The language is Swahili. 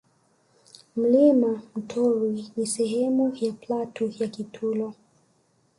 Mlima Mtorwi ni sehemu ya platu ya Kitulo